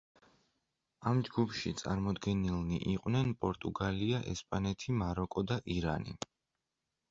ამ ჯგუფში წარმოდგენილნი იყვნენ პორტუგალია, ესპანეთი, მაროკო და ირანი.